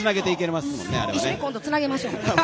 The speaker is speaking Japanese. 一緒に今度つなげましょう。